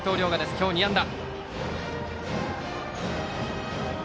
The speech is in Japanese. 今日２安打。